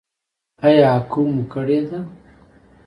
ایا اکو مو کړې ده؟